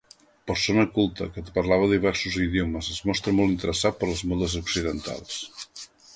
Persona culta que parlava diversos idiomes, es mostra molt interessat per les modes occidentals.